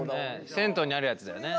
銭湯にあるやつだよね。